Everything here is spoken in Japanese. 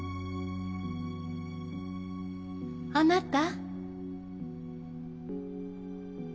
・あなた。